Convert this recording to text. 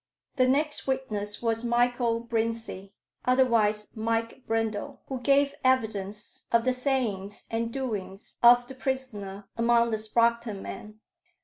The next witness was Michael Brincey, otherwise Mike Brindle, who gave evidence of the sayings and doings of the prisoner among the Sproxton men.